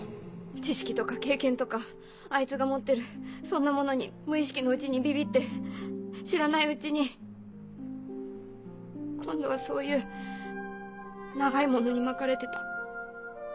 知識とか経験とかあいつが持ってるそんなものに無意識のうちにビビって知らないうちに今度はそういう長い物に巻かれてた。